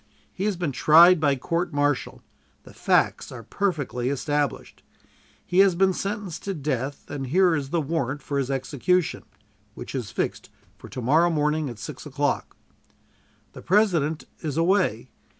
He has been tried by court martial; the facts are perfectly established, he has been sentenced to death, and here is the warrant for his execution, which is fixed for to morrow morning at six o'clock. The President is away.